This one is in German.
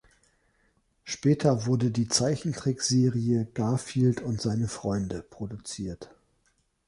Später wurde die Zeichentrickserie "Garfield und seine Freunde" produziert.